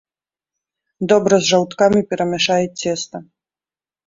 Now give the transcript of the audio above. Добра з жаўткамі перамяшай цеста!